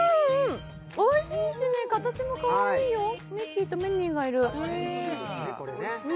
おいしいし、形もかわいいよミッキーとミニーがいる。